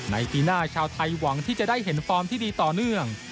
ปีหน้าชาวไทยหวังที่จะได้เห็นฟอร์มที่ดีต่อเนื่อง